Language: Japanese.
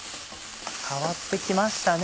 変わって来ましたね。